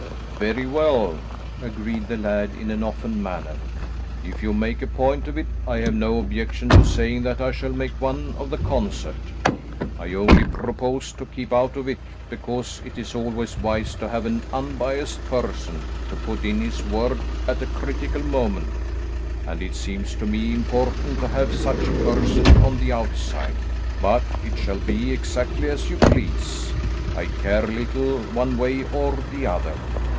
"Very well," agreed the laird in an offhand manner, "if you make a point of it, I have no objection to saying that I shall make one of the concert. I only proposed to keep out of it, because it is always wise to have an unbiased person to put in his word at a critical moment, and it seems to me important to have such a person on the outside. But it shall be exactly as you please; I care little one way or the other.